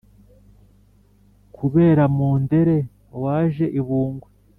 kubera mundere waje i bungwe